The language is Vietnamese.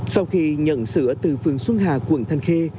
sau khi nhận sữa từ phường xuân hà quận thanh khê